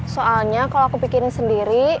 soalnya kalau aku bikinin sendiri